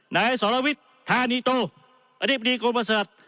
นายสรวิทธานิโตอธิบดีกรมศาสตร์